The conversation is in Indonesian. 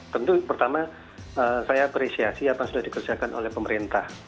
tentu pertama saya apresiasi apa yang sudah dikerjakan oleh pemerintah